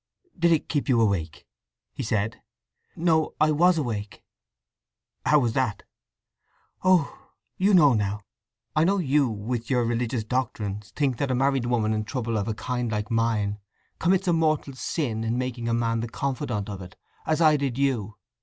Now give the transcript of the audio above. "Did it keep you awake?" he said. "No—I was awake." "How was that?" "Oh, you know—now! I know you, with your religious doctrines, think that a married woman in trouble of a kind like mine commits a mortal sin in making a man the confidant of it, as I did you.